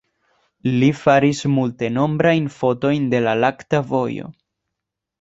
Li faris multenombrajn fotojn de la lakta vojo.